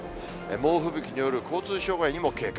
猛吹雪による交通障害にも警戒。